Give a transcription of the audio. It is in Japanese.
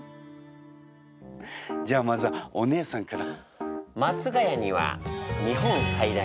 じゃあまずはお姉さんから。